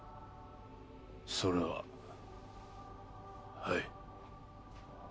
それははい。